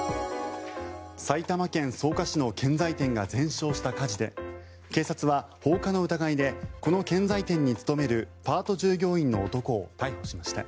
埼玉県草加市の建材店が全焼した火事で警察は、放火の疑いでこの建材店に勤めるパート従業員の男を逮捕しました。